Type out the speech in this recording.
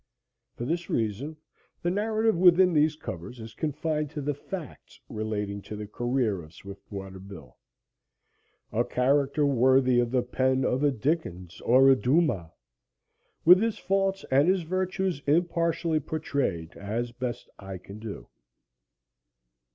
For this reason, the narrative within these covers is confined to the facts relating to the career of Swiftwater Bill a character worthy of the pen of a Dickens or a Dumas with his faults and his virtues impartially portrayed as best I can do.